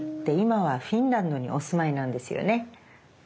で今はフィンランドにお住まいなんですよね。